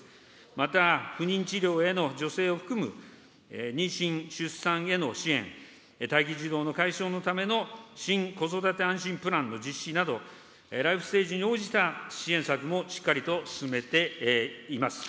また、不妊治療への助成を含む妊娠・出産への支援、待機児童の解消のための新子育て安心プランの実施など、ライフステージに応じた支援策もしっかりと進めています。